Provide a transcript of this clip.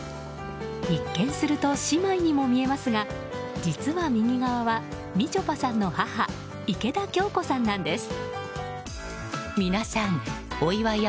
一見すると姉妹にも見えますが実は右側は、みちょぱさんの母池田京子さんなんです。